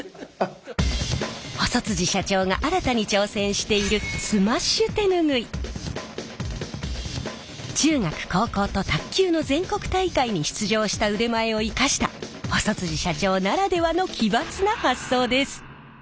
細社長が新たに挑戦している中学高校と卓球の全国大会に出場した腕前を生かした細社長ならではの奇抜な発想です！